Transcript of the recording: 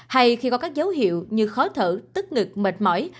hay khi có các dấu hiệu như khó thở tức ngực mệt mỏi